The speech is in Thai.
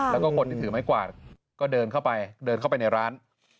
แล้วก็คนที่ถือไม้กวาดก็เดินเข้าไปเดินเข้าไปในร้าน